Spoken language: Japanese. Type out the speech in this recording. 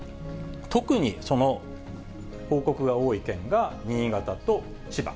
特に、その報告が多い県が、新潟と千葉。